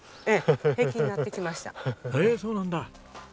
へえそうなんだ！